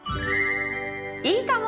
いいかも！